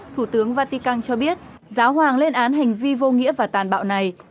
thủ tướng vatican cho biết giáo hoàng lên án hành vi vô nghĩa và tàn bạo này